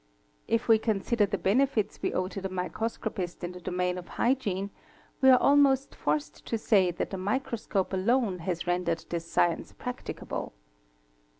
If we con sider the benefits we owe to the microscopist in the domain of hygiene we are almost forced to say that the microscope alone has rendered this science practicable.